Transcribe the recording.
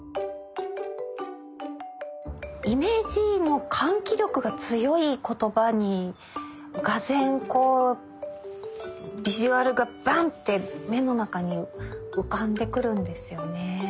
イメージの喚起力が強い言葉に俄然こうビジュアルがバンって目の中に浮かんでくるんですよね。